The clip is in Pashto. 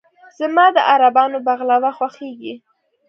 زما د عربانو "بغلاوه" خوښېږي.